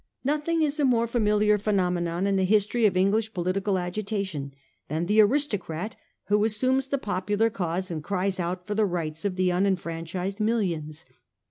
Nothing is a more familiar phenomenon in the history of English poli tical agitation than the aristocrat who assumes the popular cause and cries out for the ' rights ' of the ' un enfranchised millions.